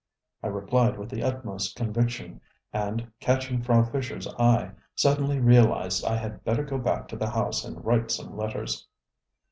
ŌĆØ I replied with the utmost conviction, and, catching Frau FischerŌĆÖs eye, suddenly realised I had better go back to the house and write some letters.